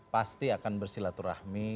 pasti akan bersilaturahmi